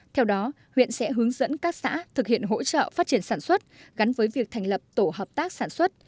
theo đó huyện sẽ hướng dẫn các xã thực hiện hỗ trợ phát triển sản xuất gắn với việc thành lập tổ hợp tác sản xuất